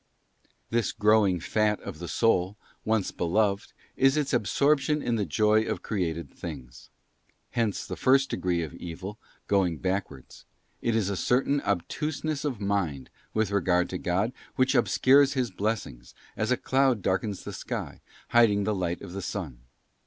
* This growing fat of the soul, once beloved, is its absorp tion in the joy of created things. Hence the first degree of evil, going backwards; if is a certain obtuseness of mind with regard to God, which obscures His blessings, as a cloud darkens the sky, hiding the light of the sun.